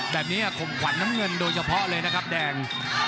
ข่มขวัญน้ำเงินโดยเฉพาะเลยนะครับแดง